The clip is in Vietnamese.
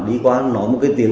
bị mất trò